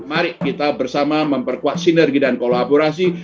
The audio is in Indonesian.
mari kita bersama memperkuat sinergi dan kolaborasi